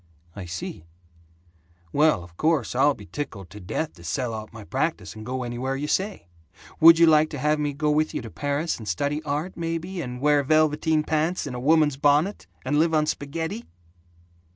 "I see. Well, of course, I'll be tickled to death to sell out my practise and go anywhere you say. Would you like to have me go with you to Paris and study art, maybe, and wear velveteen pants and a woman's bonnet, and live on spaghetti?"